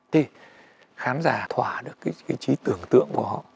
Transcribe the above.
thì khán giả thỏa được cái trí tưởng tượng của họ